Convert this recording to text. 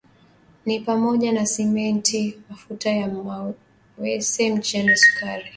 ni pamoja na Simenti mafuta ya mawese mchele sukari